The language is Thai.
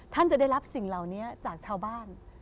ท่านจะได้รับสิ่งเหล่านี้จากชาวบ้าน